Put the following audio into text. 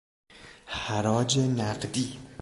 حراج نقدی